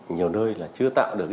nhiều nơi là chưa tạo được